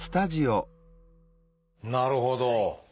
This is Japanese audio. なるほど。